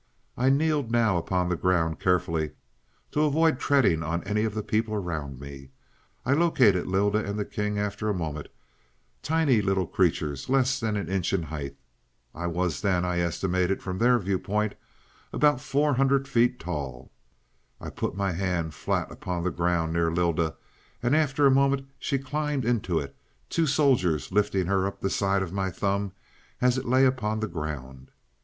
I kneeled now upon the ground, carefully, to avoid treading on any of the people around me. I located Lylda and the king after a moment; tiny little creatures less than an inch in height. I was then, I estimated, from their viewpoint, about four hundred feet tall. "I put my hand flat upon the ground near Lylda, and after a moment she climbed into it, two soldiers lifting her up the side of my thumb as it lay upon the ground.